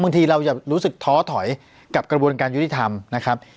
บางทีเราจะรู้สึกท้อถอยกับกระบวนการยุติธรรมนะครับ